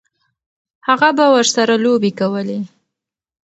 هغه به ورسره لوبې کولې.